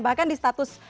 bahkan di status